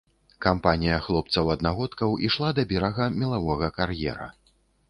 Кампанія хлопцаў-аднагодкаў ішла да берага мелавога кар'ера.